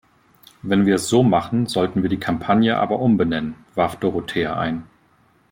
Wenn wir es so machen, sollten wir die Kampagne aber umbenennen, warf Dorothea ein.